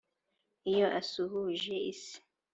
iyo asuhuje isi